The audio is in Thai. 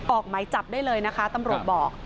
ออกหมายจับได้เลยนะคะตำรวจบอก